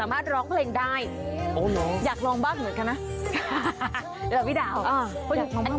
อะอยากลองบ้างเหมือนกัน